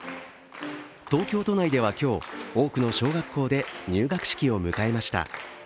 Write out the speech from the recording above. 東京都内では今日、多くの小学校で入学式を迎えました。